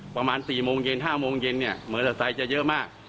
ประมาณสี่โมงเย็นห้าโมงเย็นเนี่ยเมอราไซต์จะเยอะมาก